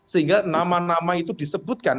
sehingga nama nama itu disebutkan